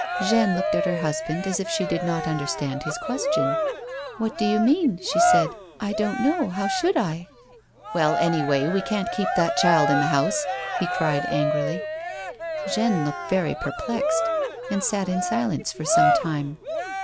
Jeanne looked at her husband as if she did not understand his qiiestion. " What do you mean V she said. " I don't know ; how should I?" " Well, anyhow we can't keep that child in the house," lie cried, angrily. Jeanne looked very perplexed, and sat in silence for some time.